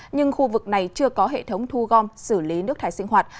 nhưng khu vực này chưa có hệ thống thu gom xử lý nước thải sinh hoạt